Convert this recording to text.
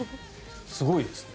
すごいですね。